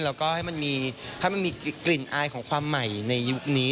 แล้วก็ให้มันมีให้มันมีกลิ่นอายของความใหม่ในยุคนี้